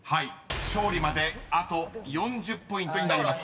［勝利まであと４０ポイントになりました］